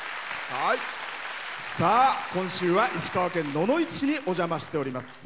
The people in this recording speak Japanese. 今週は、石川県野々市市にお邪魔しております。